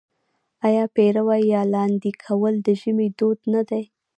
آیا پېروی یا لاندی کول د ژمي دود نه دی؟